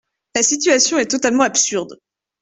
La situation est totalement absurde.